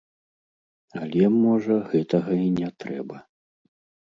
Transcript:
Але, можа, гэтага і не трэба!